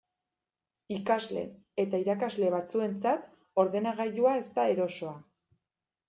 Ikasle eta irakasle batzuentzat ordenagailua ez da erosoa.